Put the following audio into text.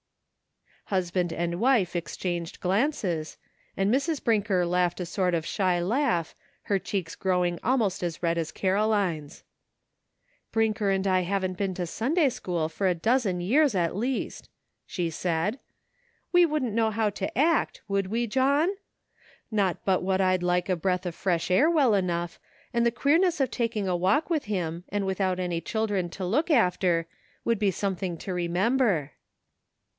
Husband and wife exchanged glances, and Mrs. Brinker laughed a sort of shy laugh, her cheeks growing almost as red as Caroline's. "Brinker and I haven't been to Sunday school NIGHT WORK. 109 for a dozen years at l^ast," she said ;" we wouldn't know how to act, would we, John? Not but what I'd like a breath of fresh air well enough, and the queerness of taking a walk with him, and without any children to look after, would be something to remember."